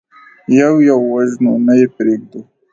يو يو وژنو، نه يې پرېږدو.